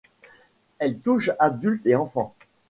Elle touche adultes et enfants.